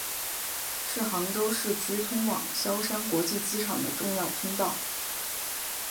是杭州市区通往萧山国际机场的重要通道。